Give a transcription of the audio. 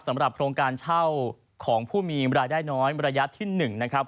สำหรับโครงการเช่าของผู้มีรายได้น้อยระยะที่๑นะครับ